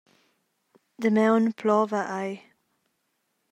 Damaun plova ei.